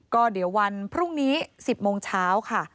ก็เดี๋ยววันพรุ่งนี้๑๐โมงเช้าค่ะ